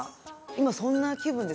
今そんな気分ですね。